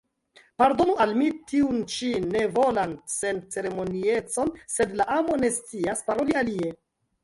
Pardonu al mi tiun ĉi nevolan senceremoniecon, sed la amo ne scias paroli alie.